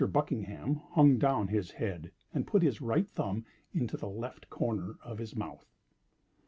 Buckingham hung down his head, and put his right thumb into the left corner of his mouth.